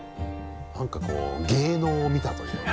何かこう芸能を見たというかね